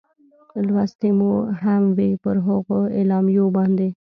لوستې مو هم وې، پر هغو اعلامیو باندې.